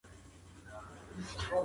دوی به په خپله خیالي نړۍ کي ژوند کاوه.